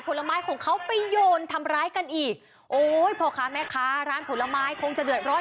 ผลไม้ของเขาไปโยนทำร้ายกันอีกโอ้ยพ่อค้าแม่ค้าร้านผลไม้คงจะเดือดร้อน